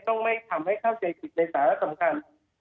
ต้องไม่ทำให้เข้าใจผิดในสาระสำคัญ